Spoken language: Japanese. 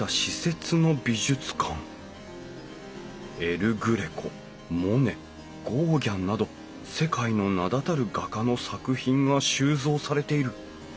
エル・グレコモネゴーギャンなど世界の名だたる画家の作品が収蔵されている。